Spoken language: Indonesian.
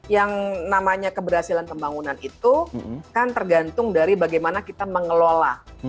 yang namanya keberhasilan pembangunan itu kan tergantung dari bagaimana kita mengelola